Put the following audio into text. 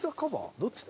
どっちだ？